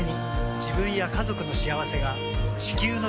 自分や家族の幸せが地球の幸せにつながっている。